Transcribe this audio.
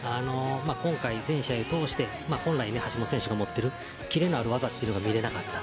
今回、全試合通して本来、橋本選手が持っているキレのある技が見られなかった。